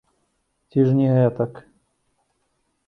Ці ж не гэтак?